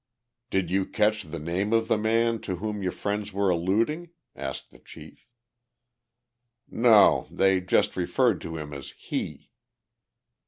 "Did you catch the name of the man to whom your friends were alluding?" asked the chief. "No, they just referred to him as 'he.'"